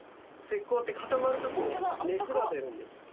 石こうって固まるときに熱が出るんです。